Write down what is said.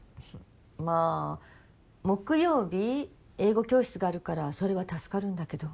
まあ木曜日英語教室があるからそれは助かるんだけど。